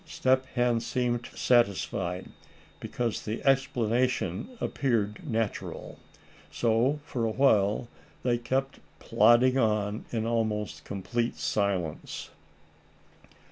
Step Hen seemed satisfied, because the explanation appeared natural. So for a while they kept plodding on in almost complete silence.